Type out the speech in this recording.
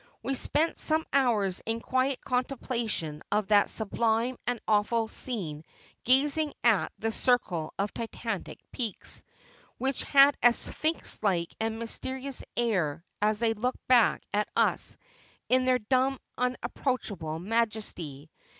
We spent some hours in quiet contem plation of that sublime and awful scene gazing at that circle of Titanic peaks, which had a sphinx like and mysterious air as they looked back at us in their dumb unapproachable majesty.